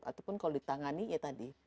ataupun kalau ditangani ya tadi